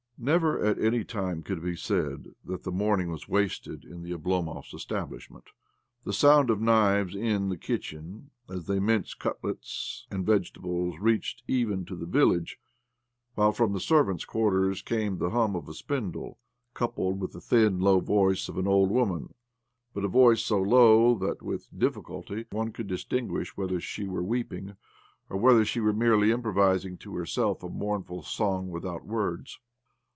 Never at any time could it be said that the morning was wasted in the Oblomovs* establishment. The soimd of knives in the kitchen, as they minced cutlets and vege tables, reached even to the village ; while from the servants' quarters came the hum of a spindle, coupled with the thin, low voice of an old woman— but a voice so low OBLOMOV 95 that with difficulty could one distinguish whether she were weeping, or whether she were merely improvising to herself a mournful " song without words."